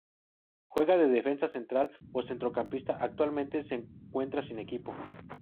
Juega de defensa central o centrocampista, actualmente se encuentra sin equipo.